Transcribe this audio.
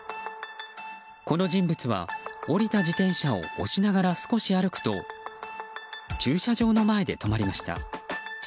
この人物は降りた自転車を押しながら少し歩くと駐車場の前で止まりました。